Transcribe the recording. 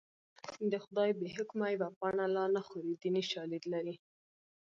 د خدای بې حکمه یوه پاڼه لا نه خوري دیني شالید لري